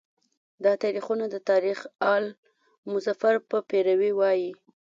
دا تاریخونه د تاریخ آل مظفر په پیروی وایي.